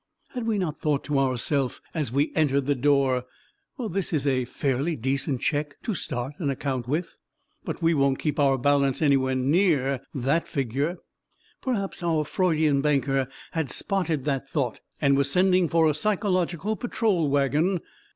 had we not thought to ourself, as we entered the door, well, this is a fairly decent cheque to start an account with, but we won't keep our balance anywhere near that figure ... perhaps our Freudian banker had spotted that thought and was sending for a psychological patrol wagon